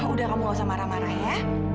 udah kamu gak usah marah marah ya